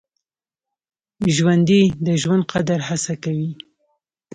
ژوندي د ژوند د قدر هڅه کوي